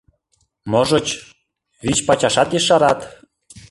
Можыч, вич пачашат ешарат.